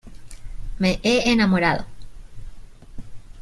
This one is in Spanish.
me he enamorado.